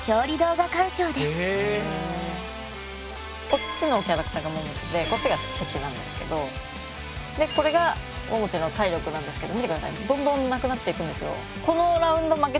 こっちのキャラクターがももちでこっちが敵なんですけどこれがももちの体力なんですけど見て下さいどんどんなくなっていくんですよ。